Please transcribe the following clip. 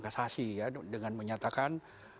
kasasi ya dengan menyatakan